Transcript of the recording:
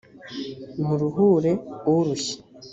muruhure urushye.